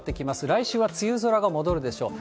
来週は梅雨空が戻るでしょう。